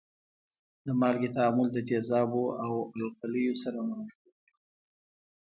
د مالګې تعامل د تیزابو او القلیو سره مرکبونه جوړوي.